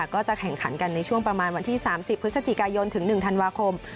ก็จะแข่งขันกันในช่วงประมาณวันที่๓๐พฤศจิกายนถึง๑ธันวาคม